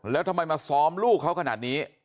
แล้วทำไมมาซ้อมลูกเขาขนาดนี้